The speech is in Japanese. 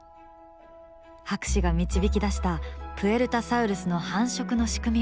博士が導き出したプエルタサウルスの繁殖の仕組みはこうだ。